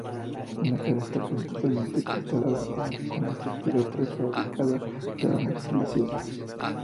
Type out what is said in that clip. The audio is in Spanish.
Una cara está casi totalmente acristalada, con la estructura prefabricada claramente visible.